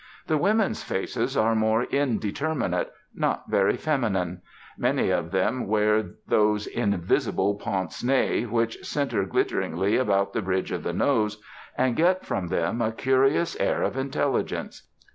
The women's faces are more indeterminate, not very feminine; many of them wear those 'invisible' pince nez which centre glitteringly about the bridge of the nose, and get from them a curious air of intelligence.